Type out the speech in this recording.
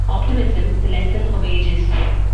Optimism: The Lesson of Ages.